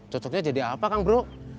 cocoknya jadi apa kang bro